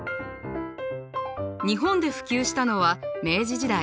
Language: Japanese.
日本で普及したのは明治時代。